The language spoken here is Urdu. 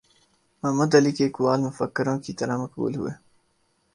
محمد علی کے اقوال مفکروں کی طرح مقبول ہوئے